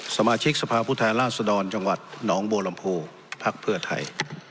สมาชิกสภาพูดฐานล่าสดรจังหวัดหนองบวรรมภูย์พรพไทย